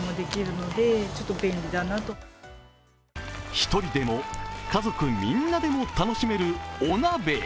１人でも家族みんなでも楽しめるお鍋。